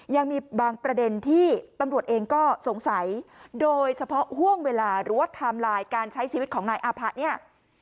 ยังมีบางประเด็นที่ตำรวจเองก็สงสัยโดยเฉพาะห่วงเวลาหรือว่าไทม์ไลน์การใช้ชีวิตของนายอาผะเนี่ย